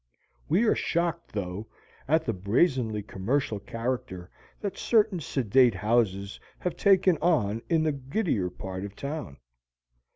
We are shocked, though, at the brazenly commercial character that certain sedate houses have taken on in the giddier part of town.